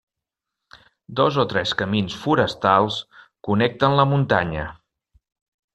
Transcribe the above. Dos o tres camins forestals connecten la muntanya.